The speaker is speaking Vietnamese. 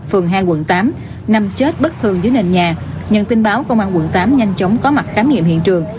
phường hai quận tám nằm chết bất thường dưới nền nhà nhận tin báo công an quận tám nhanh chóng có mặt khám nghiệm hiện trường